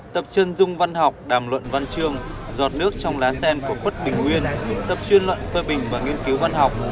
tập trân dung văn học đàm luận văn trương giọt nước trong lá sen của khuất bình nguyên tập truyền luận phơ bình và nghiên cứu văn học